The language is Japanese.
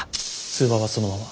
通話はそのまま。